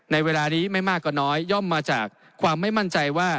ในเวลานี้ไม่มากกว่าน้อยย่อมมาจากความไม่มั่นใจว่า